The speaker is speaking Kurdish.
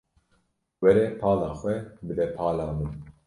Were pala xwe bide pala min.